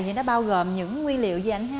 thì nó bao gồm những nguyên liệu gì anh ha